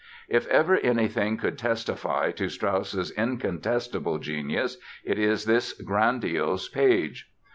If ever anything could testify to Strauss's incontestable genius it is this grandiose page!